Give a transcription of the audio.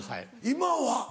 今は？